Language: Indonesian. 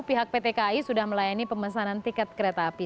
pihak pt kai sudah melayani pemesanan tiket kereta api